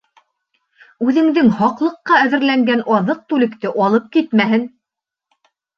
Үҙеңдең һаҡлыҡҡа әҙерләнгән аҙыҡ-түлекте алып китмәһен!